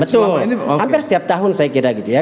betul hampir setiap tahun saya kira gitu ya